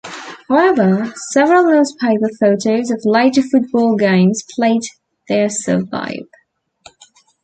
However, several newspaper photos of later football games played there survive.